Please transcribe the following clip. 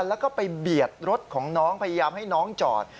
แล้วก็ไปเบียดรถของน้องพยายามให้น้องจอด